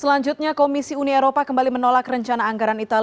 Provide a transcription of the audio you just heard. selanjutnya komisi uni eropa kembali menolak rencana anggaran itali